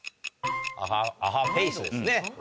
アハフェイスですね。